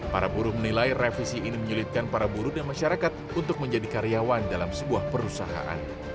para buruh menilai revisi ini menyulitkan para buruh dan masyarakat untuk menjadi karyawan dalam sebuah perusahaan